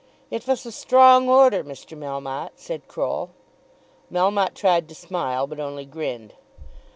"It vas a strong order, Mr. Melmotte," said Croll. Melmotte tried to smile but only grinned.